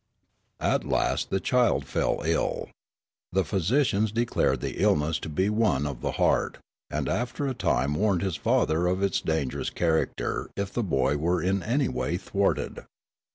At last the child fell ill. The physicians declared the illness to be one of the heart, and after a time warned his father of its dangerous character if the boy were in any way thwarted.